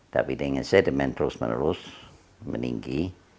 tapi dengan sedimen terus menerus meninggi